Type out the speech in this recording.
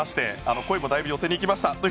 声もだいぶ寄せてきました。